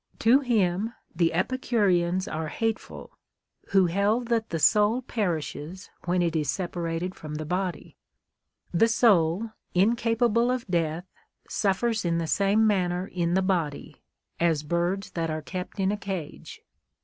To him the Epicureans are hateful, who held that the soul perislies when it is separated from the body. "The soul, incapable of death, suffers in the same manner in the body, as birds tliat are kept in a cage."